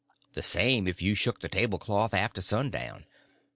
The same if you shook the table cloth after sundown.